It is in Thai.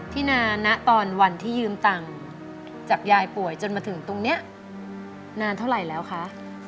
นานะตอนวันที่ยืมตังค์จากยายป่วยจนมาถึงตรงนี้นานเท่าไหร่แล้วคะ